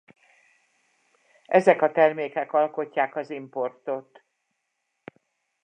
Ezek a termékek alkotják az importot.